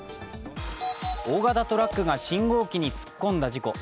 大型トラックが信号機に突っ込んだ事故。